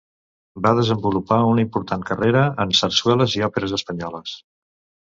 Va desenvolupar una important carrera en sarsueles i òperes espanyoles.